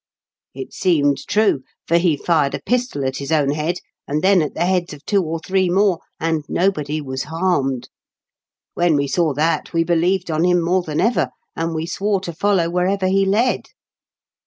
It seemed true, for he fired a pistol at his own head, and then at the heads of two or three more, and nobody was harmed. When we saw that we believed on him more than ever, and we swore to follow wherever he led.